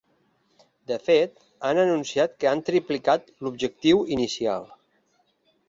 De fet, han anunciat que han triplicat l’objectiu inicial.